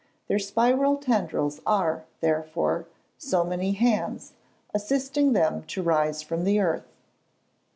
Their spiral tendrils are, therefore, so many hands, assisting them to rise from the earth.